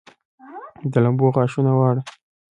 د لمبو غاښونه واړه